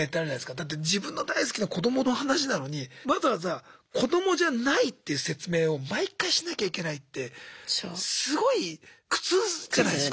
だって自分の大好きな子どもの話なのにわざわざ子どもじゃないっていう説明を毎回しなきゃいけないってすごい苦痛じゃないすか。